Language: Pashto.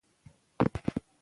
دولت د ژبې د ودې مسؤلیت لري.